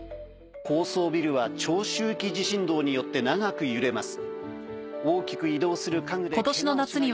高層ビルは長周期地震動によって長く揺れます。